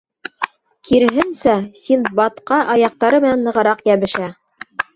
Киреһенсә, Синдбадҡа аяҡтары менән нығыраҡ йәбешә.